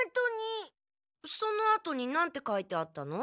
そのあとになんて書いてあったの？